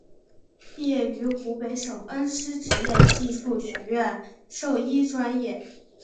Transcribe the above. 毕业于湖北省恩施职业技术学院兽医专业。